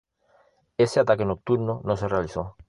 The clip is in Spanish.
Ese ataque nocturno no se realizó.